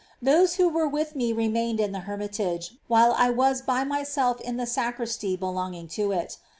Those who were with me remained in the her mitage while I was by myself in the sacristy belonging to it.